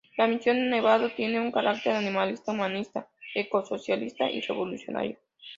La Misión Nevado tiene un carácter animalista, humanista, eco socialista y revolucionario.